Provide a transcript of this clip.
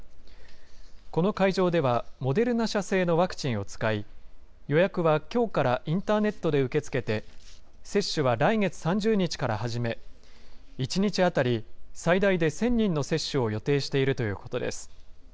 この会場ではモデルナ社製のワクチンを使い、予約はきょうからインターネットで受け付けて、接種は来月３０日から始め、１日当たり最大で１０００人の接種を予定しているということです。